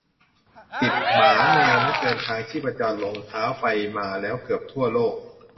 สิบ หมาแมวนักเดินทาง ชีพจรลงเท้า ไปมาแล้วเกือบทั่วโลก